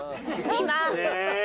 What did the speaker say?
今！